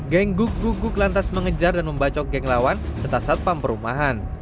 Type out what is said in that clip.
geng gug gug gug lantas mengejar dan membacok geng lawan setelah satpam perumahan